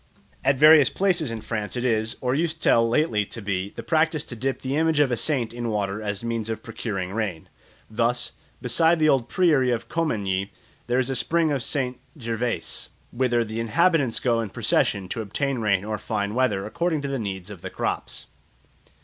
At various places in France it is, or used till lately to be, the practice to dip the image of a saint in water as a means of procuring rain. Thus, beside the old priory of Commagny, there is a spring of St. Gervais, whither the inhabitants go in procession to obtain rain or fine weather according to the needs of the crops.